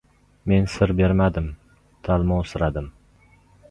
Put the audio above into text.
Men sir bermadim, talmovsiradim.